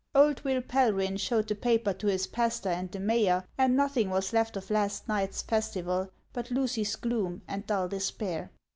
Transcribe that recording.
Old Will Pelryhn showed the paper to his pastor and the mayor, and nothing was left of last night's festival but Lucy's gloom and dull despair.